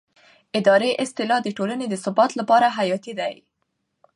اداري اصلاح د ټولنې د ثبات لپاره حیاتي دی